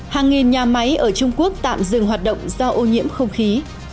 hàng nghìn nhà máy ở trung quốc tạm dừng hoạt động do ô nhiễm không khí